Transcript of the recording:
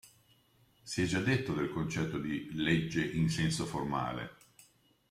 Si è già detto del concetto di "legge in senso formale".